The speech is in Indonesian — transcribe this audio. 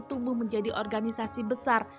tumbuh menjadi organisasi besar